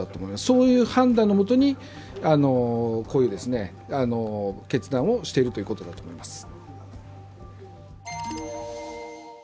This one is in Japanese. そういう判断のもとに決断をしているということだと思います。